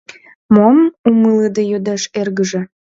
— Мом? — умылыде йодеш эргыже.